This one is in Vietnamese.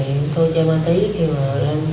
rồi mới đi cướp